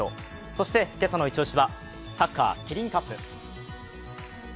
そして今朝のイチ押しはサッカーキリンカップ。